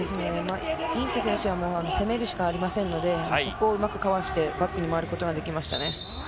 インツェ選手は攻めるしかありませんので、そこをうまくかわしてバックに回ることができましたね。